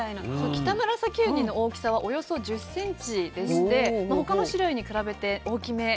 キタムラサキウニの大きさはおよそ１０ｃｍでして他の種類に比べて大きめなんですね。